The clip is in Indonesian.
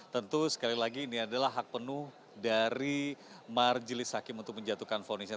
tentu sekali lagi ini adalah hak penuh dari marjelis hakim untuk menjatuhkan fonisnya